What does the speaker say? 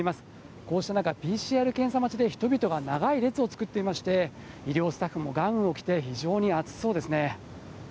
こうした中、ＰＣＲ検査待ちで人々が長い列を作っていまして、医療スタッフもガウンを着て、非常に暑そうですね。